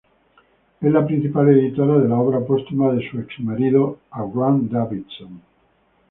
Es la principal editora de la obra póstuma de su ex-marido, Avram Davidson.